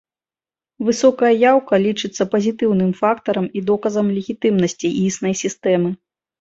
Высокая яўка лічыцца пазітыўным фактарам і доказам легітымнасці існай сістэмы.